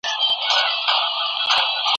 نو زده کوونکي هیڅ نه زده کوي.